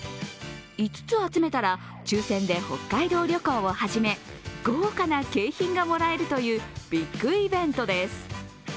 ５つ集めたら抽選で北海道旅行をはじめ、豪華な景品がもらえるというビッグイベントです。